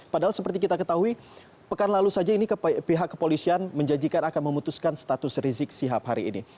padahal seperti kita ketahui pekan lalu saja ini pihak kepolisian menjanjikan akan memutuskan status rizik sihab hari ini